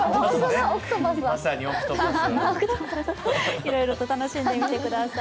いろいろと楽しんでみてください。